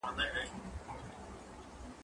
هغه څوک چي انځورونه رسم کوي هنر لري،